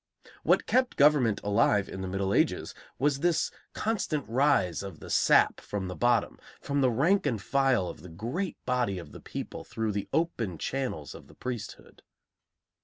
What kept government alive in the Middle Ages was this constant rise of the sap from the bottom, from the rank and file of the great body of the people through the open channels of the priesthood.